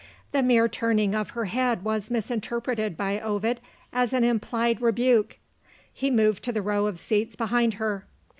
The mere turning of her head was misinterpreted by Ovid as an implied rebuke. He moved to the row of seats behind her.